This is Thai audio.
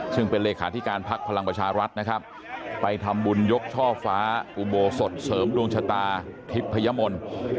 ซึ่งเป็นเลขาธิการพักพลังประชารัฐนะครับไปทำบุญยกช่อฟ้าอุโบสถเสริมดวงชะตาทิพยมนต์